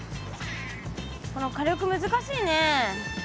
この火力難しいね。